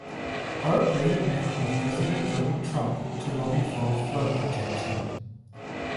Hart later met with President Donald Trump to lobby for flood protection.